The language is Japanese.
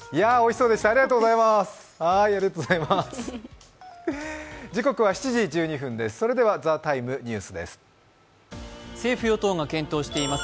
それでは、「ＴＨＥＴＩＭＥ，」ニュースです。